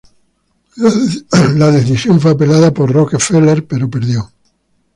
La decisión fue apelada por Rockefeller, pero perdió.